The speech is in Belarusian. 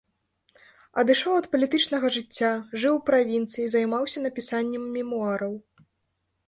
Адышоў ад палітычнага жыцця, жыў у правінцыі, займаўся напісаннем мемуараў.